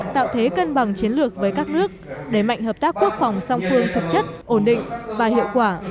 tạo thế cân bằng chiến lược với các nước đẩy mạnh hợp tác quốc phòng song phương thực chất ổn định và hiệu quả